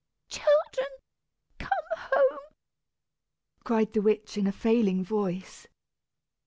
"Children, come home!" cried the witch, in a failing voice.